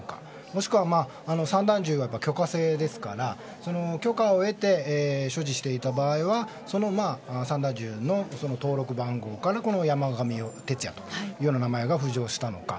もしくは散弾銃が許可制ですから許可を得て所持していた場合はその散弾銃の登録番号からこの山上徹也という名前が浮上したのか。